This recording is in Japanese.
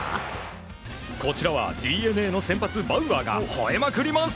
こちらはＤｅＮＡの先発バウアーがほえまくります。